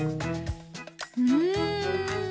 うん？